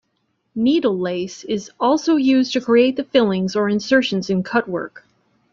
Needle lace is also used to create the fillings or insertions in cutwork.